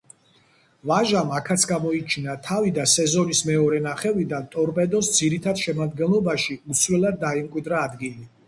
ვაჟამ აქაც გამოიჩინა თავი და სეზონის მეორე ნახევრიდან „ტორპედოს“ ძირითად შემადგენლობაში უცვლელად დაიმკვიდრა ადგილი.